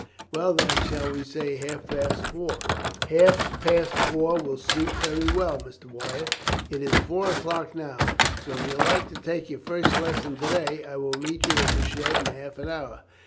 "Well, then, shall we say half past four?" "Half past four will suit very well, Mr. Wyatt. It is four o'clock now, so if you like to take your first lesson to day I will meet you at the shed in half an hour.